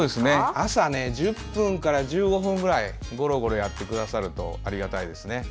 朝１０分から１５分ぐらいゴロゴロやってくださるとありがたいですね。